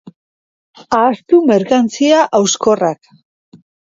Ahaztu merkantzia hauskorrak.